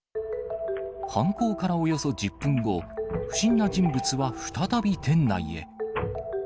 犯行からおよそ１０分後、不審な人物は再び店内へ。